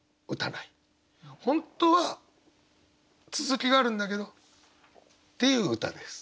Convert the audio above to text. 本当は続きがあるんだけどっていう歌です。